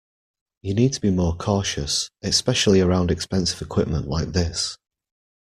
You need to be more cautious, especially around expensive equipment like this.